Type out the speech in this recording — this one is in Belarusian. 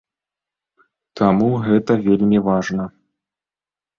Таму гэта вельмі важна.